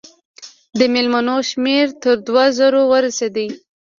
د مېلمنو شمېر تر دوو زرو ورسېدی.